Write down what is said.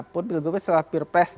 pun pilgrupnya setelah pilpres